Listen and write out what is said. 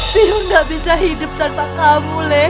biar gak bisa hidup tanpa kamu lek